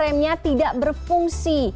remnya tidak berfungsi